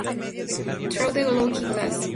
Through the Looking-Glass.